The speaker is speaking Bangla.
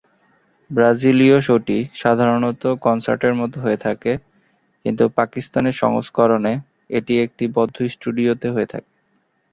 ব্রাজিলীয় শোটি সাধারণত কনসার্টের মত হয়ে থাকে কিন্তু পাকিস্তানের সংস্করণে এটি একটি বদ্ধ স্টুডিওতে হয়ে থাকে।